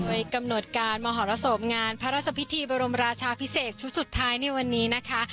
โดยกำหนดการมหรสมงานพระราชพิธีบรมราชาพิเศษชุดสุดท้ายในวันนี้นะคะ